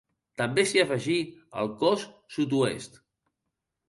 També s'hi afegí el cos sud-oest.